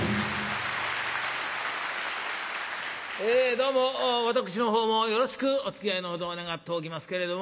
どうも私の方もよろしくおつきあいのほどを願っておきますけれども。